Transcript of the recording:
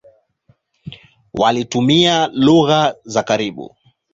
Walitumia lugha za karibu.